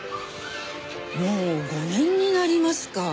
もう５年になりますか。